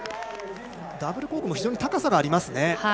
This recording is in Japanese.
ダブルコークも非常に高さがありますね。